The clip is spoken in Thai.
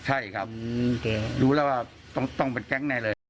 ใช่ครับรู้แล้วว่าต้องเป็นแก๊งแน่เลย